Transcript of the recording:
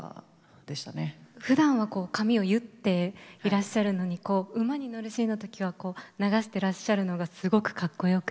ふだんはこう髪を結っていらっしゃるのに馬に乗るシーンの時は流してらっしゃるのがすごくかっこよくて。